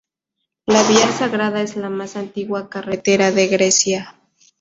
La vía sagrada es la más antigua carretera de Grecia.